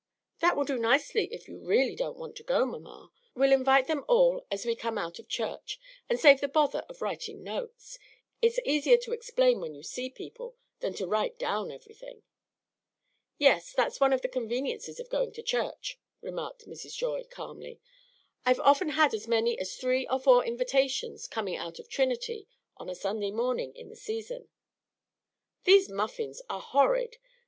"That will do nicely if you really don't want to go, mamma. We'll invite them all as we come out of church, and save the bother of writing notes. It's easier to explain when you see people than to write down everything." "Yes, that's one of the conveniences of going to church," remarked Mrs. Joy, calmly. "I've often had as many as three or four invitations, coming out of Trinity on a Sunday morning in the season. These muffins are horrid.